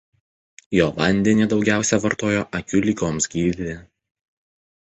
Jo vandenį daugiausia vartojo akių ligoms gydyti.